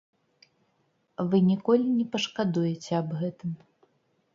Вы ніколі не пашкадуеце аб гэтым.